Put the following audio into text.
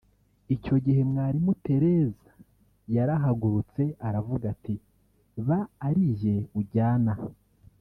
Icyo gihe Mwalimu Tereza yarahagurutse aravuga ati ‘ba ari jye ujyana